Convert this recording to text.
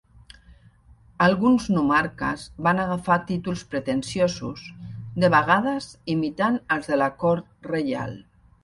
Alguns nomarques van agafar títols pretensiosos, de vegades imitant els de la cort reial.